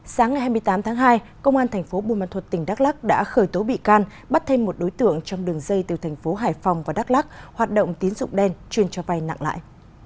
sáng ngày hai mươi tám tháng hai công an thành phố buôn ma thuật tỉnh đắk lắc đã khởi tố bị can bắt thêm một đối tượng trong đường dây từ thành phố hải phòng và đắk lắc hoạt động tín dụng đen chuyên cho vay nặng lại